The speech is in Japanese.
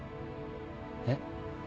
えっ？